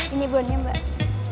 ini bonnya mbak